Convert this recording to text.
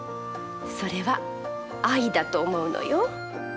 それは愛だと思うのよ。